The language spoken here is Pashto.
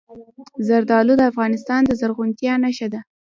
زردالو د افغانستان د زرغونتیا نښه ده.